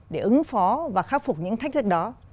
để ứng phó và khắc phục những thách thức đó